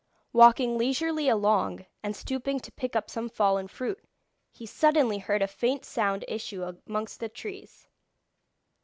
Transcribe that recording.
Walking leisurely along, and stooping to pick up some fallen fruit, he suddenly heard a faint sound issue amongst the trees.